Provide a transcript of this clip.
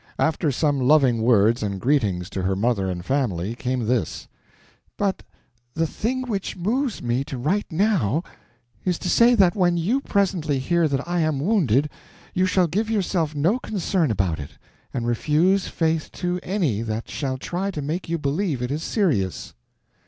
After some loving words and greetings to her mother and family, came this: "But the thing which moves me to write now, is to say that when you presently hear that I am wounded, you shall give yourself no concern about it, and refuse faith to any that shall try to make you believe it is serious."